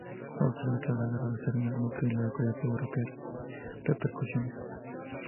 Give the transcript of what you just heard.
Austria declaró la guerra a Serbia, lo que en la localidad tuvo rápidas repercusiones.